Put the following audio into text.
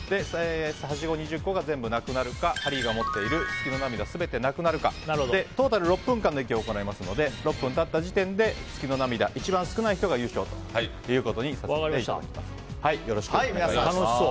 はしご２０個が全部なくなるかハリーが持っている月の涙全てなくなるかトータル６分間行いますので６分経った時点で月の涙、一番少ない人が優勝ということにさせていただきます。